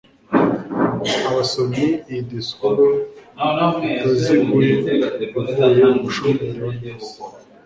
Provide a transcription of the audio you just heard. abasomyi Iyi disikuru itaziguye ivuye umushoferi wa bisi